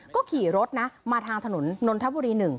ก็ขี่รถนะมาทางถนนนนทบุรี๑